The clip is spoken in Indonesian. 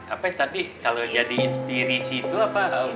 apa tadi kalau jadi inspirasi itu apa